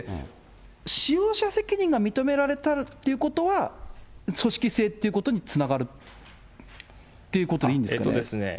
使用者責任が認められたということは、組織性っていうことにつながるということでいいんですかね？